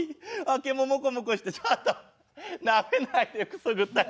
毛ももこもこしてちょっとなめないでくすぐったい。